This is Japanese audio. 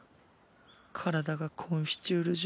体がコンフィチュール状態。